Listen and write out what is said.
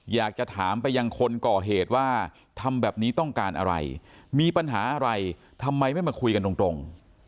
อยากจะถามไปยังคนก่อเหตุว่าทำแบบนี้ต้องการอะไรมีปัญหาอะไรทำไมไม่มาคุยกันตรง